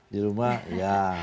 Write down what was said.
di rumah ya